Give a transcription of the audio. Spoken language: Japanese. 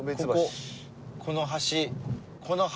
この橋。